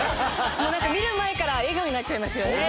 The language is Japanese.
もう何か見る前から笑顔になっちゃいますよね。